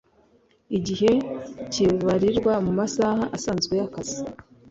Igihe kibarirwa mu masaha asanzwe y akazi .